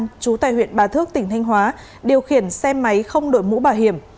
trú tại huyện bà thước tỉnh thanh hóa điều khiển xe máy không đội mũ bảo hiểm